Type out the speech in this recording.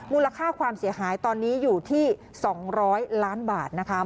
มูลค่าความเสียหายตอนนี้อยู่ที่๒๐๐ล้านบาทนะคะ